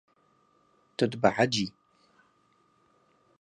Tu dibehecî.